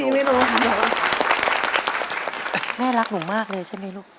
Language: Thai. แม่รักหนูมากเลยใช่ไหมลูก